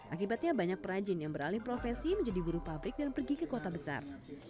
akibatnya banyak perajin yang beralih profesi menjadi buru pabrik dan pergi ke kota besar